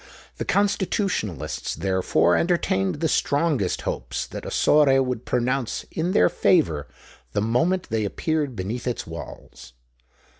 The Constitutionalists, therefore, entertained the strongest hopes that Ossore would pronounce in their favour the moment they appeared beneath its walls.